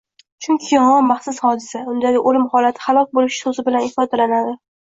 Chunki yongʻin baxtsiz hodisa, undagi oʻlim holati halok boʻlish soʻzi bilan ifodalanadi